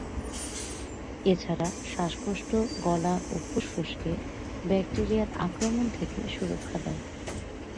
এ ছাড়া শ্বাসতন্ত্র, গলা ও ফুসফুসকে ব্যাকটেরিয়ার আক্রমণ থেকে সুরক্ষা দেয়।